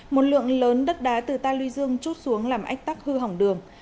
một lượng lớn đất đá từ ta lưu dương trút xuống làm ách tắc hư hỏng đường